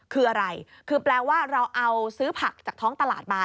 คืออะไรคือแปลว่าเราเอาซื้อผักจากท้องตลาดมา